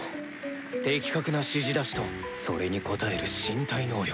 的確な指示出しとそれに応える身体能力。